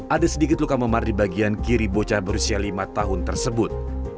ada sedikit luka memar di bagian kiri bocah berusia lima tahun tersebut